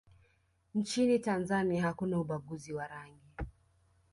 nchini tanzania hakuna ubaguzi wa rangi